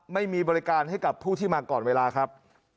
ไม่มีบริการให้กับผู้ที่มาก่อนเวลาครับ